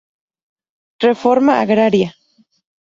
Reforma Agraria.